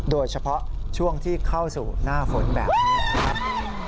โดยเฉพาะช่วงที่เข้าสู่หน้าฝนแบบนี้นะครับ